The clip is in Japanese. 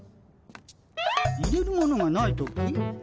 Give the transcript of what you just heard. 入れるものがない時？